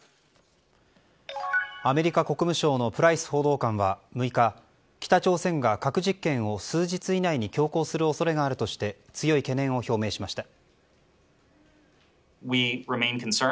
アメリカ国務省のプライス報道官は６日北朝鮮が核実験を数日以内に強行する恐れがあるとして強い懸念を表明しました。